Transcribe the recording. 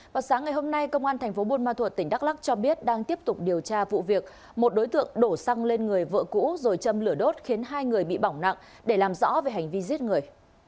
vào sáng ngày hôm nay công an thành phố buôn ma thuột tỉnh đắk lắc cho biết đang tiếp tục điều tra vụ việc một đối tượng đổ xăng lên người vợ cũ rồi châm lửa đốt khiến hai người bị bỏng nặng để làm rõ về hành vi giết người